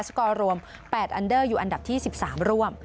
กอร์รวม๘อันเดอร์อยู่อันดับที่๑๓ร่วม